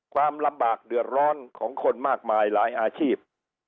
ความลำบากเดือดร้อนของคนมากมายหลายอาชีพ